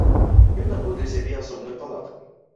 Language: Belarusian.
Ён набыў для сябе асобную палатку.